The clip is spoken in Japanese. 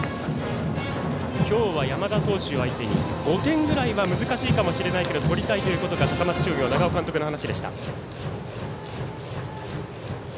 今日は山田投手相手に５点ぐらいは難しいかもしれないですが、取りたいという高松商業、長尾監督の話。